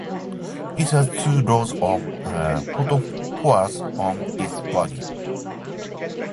It has two rows of photophores on its body.